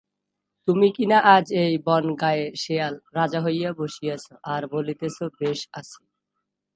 তুমি কিনা আজ এই বনগাঁয়ে শেয়াল রাজা হইয়া বসিয়াছ আর বলিতেছ বেশ আছি!